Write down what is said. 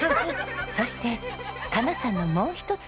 そして加奈さんのもう一つの夢が。